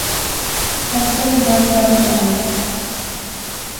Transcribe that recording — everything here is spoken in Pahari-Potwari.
اصل گل رب جانے